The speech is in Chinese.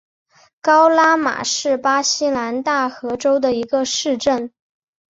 高拉马是巴西南大河州的一个市镇。